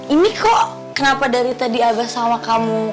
ini kok kenapa dari tadi abah sama kamu